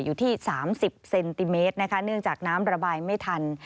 อยู่ที่๓๐เซนติเมตรนะคะเนื่องจากน้ำระบายไม่ทัน